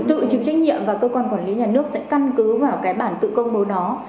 tự chịu trách nhiệm và cơ quan quản lý nhà nước sẽ căn cứ vào cái bản tự công bố đó